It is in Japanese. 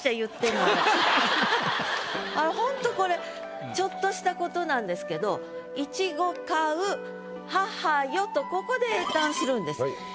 ほんとこれちょっとしたことなんですけど「苺買ふ母よ」とここで詠嘆するんです。